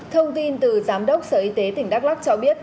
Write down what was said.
thông tin từ giám đốc sở y tế tỉnh đắk lắc cho biết